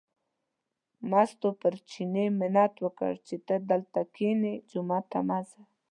مستو پر چیني منت وکړ چې ته دلته کینې، جومات ته مه ځه.